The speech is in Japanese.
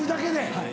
はい。